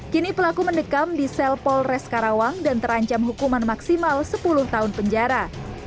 kini pelaku mendekam di sel polres karawang dan terancam hukuman maksimal sepuluh tahun penjara